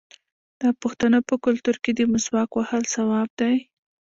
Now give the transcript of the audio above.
د پښتنو په کلتور کې د مسواک وهل ثواب دی.